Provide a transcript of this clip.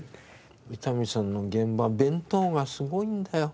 伊丹さんの現場弁当がすごいんだよ。